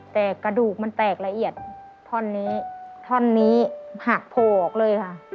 แต่กระดูกมันแตกละเอียดท่อนนี้ท่อนนี้หักโผล่ออกเลยค่ะ